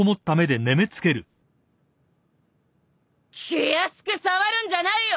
気安く触るんじゃないよ。